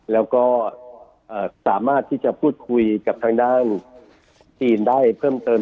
แล้วก็สามารถที่จะพูดคุยกับทางด้านจีนได้เพิ่มเติม